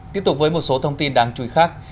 tiếp tục với một số thông tin đáng chú ý khác